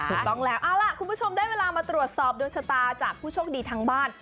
ถูกต้องแล้วเอาล่ะคุณผู้ชมได้เวลามาตรวจสอบดวงชะตาจากผู้โชคดีทางบ้าน